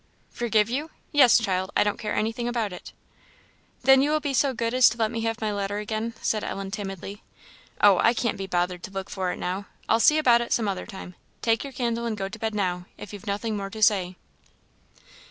"Forgive you? yes, child; I don't care anything about it." "Then you will be so good as to let me have my letter again?" said Ellen, timidly. "Oh, I can't be bothered to look for it now; I'll see about it some other time; take your candle and go to bed now, if you've nothing more to say."